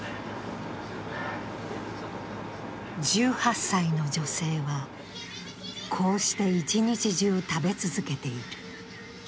１８歳の女性は、こうして一日中食べ続けている。